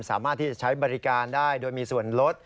สามารถที่จะใช้บริการได้โดยมีส่วนลด